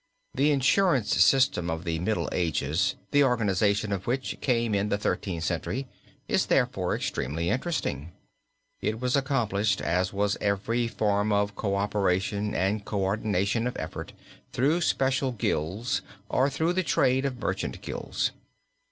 The insurance system of the Middle Ages, the organization of which came in the Thirteenth Century, is therefore extremely interesting. It was accomplished, as was every form of co operation and co ordination of effort, through special gilds or through the trade or merchant gilds.